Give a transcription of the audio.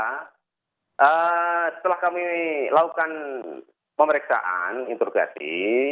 setelah kami melakukan pemeriksaan intrukasi